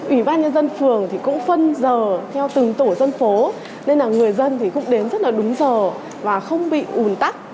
ủy ban nhân dân phường thì cũng phân giờ theo từng tổ dân phố nên là người dân thì cũng đến rất là đúng giờ và không bị ùn tắc